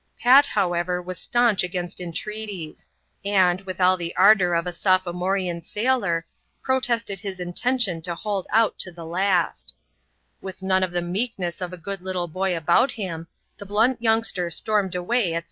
Pat, however, was staunch against entreaties; and, with all the ardour of a sophomorean sailor, protested his intention to hold out to the last. With none of the meekness of a good little boy about him, the blunt youngster stormed away at L Ue ADVENTURES IN THE SOUTH SEAS. [chap, xxxvn.